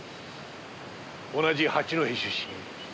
同じ八戸出身。